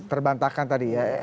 terbantahkan tadi ya